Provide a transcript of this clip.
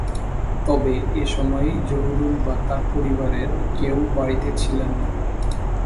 তবে এ সময় জহুরুল বা তাঁর পরিবারের কেউ বাড়িতে ছিলেন না।